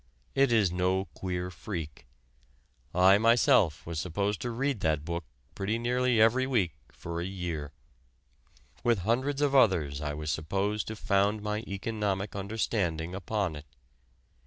It is no queer freak. I myself was supposed to read that book pretty nearly every week for a year. With hundreds of others I was supposed to found my economic understanding upon it.